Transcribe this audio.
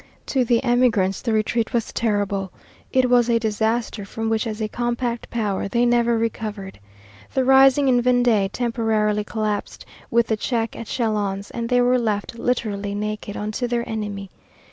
To the emigrants the retreat was terrible. It was a disaster from which, as a compact power, they never recovered. The rising in Vendée temporarily collapsed with the check at Châlons, and they were left literally naked unto their enemy.